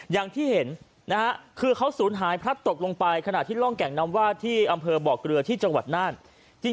อย่างที่เห็นนะฮะคือเขาสูญหายพลัดตกลงไปขณะที่ร่องแก่งน้ำวาดที่อำเภอบ่อเกลือที่จังหวัดน่าน